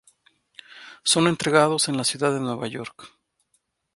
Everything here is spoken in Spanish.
Son entregados en la ciudad de Nueva York.